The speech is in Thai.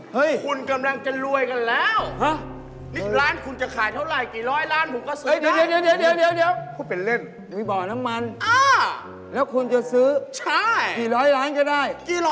เฮ้ยพูดคุณรู้ได้ไง